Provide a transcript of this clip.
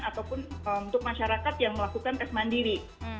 ataupun untuk masyarakat yang melakukan tes mandiri